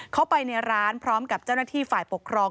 เข้าไปในร้านพร้อมกับเจ้าหน้าที่ฝ่ายปกครอง